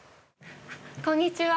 こんにちは。